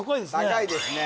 高いですね